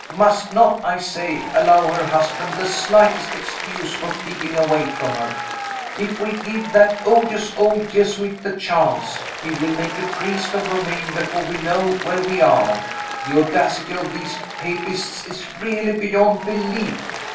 must not, I say, allow her husband the slightest excuse for keeping away from her. If we give that odious old Jesuit the chance, he will make a priest of Romayne before we know where we are. The audacity of these Papists is really beyond belief.